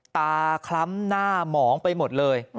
คล้ำหน้าหมองไปหมดเลย